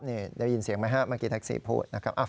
นี่เดี๋ยวยินเสียงไหมครับมากี่ทักซีพูดนะครับ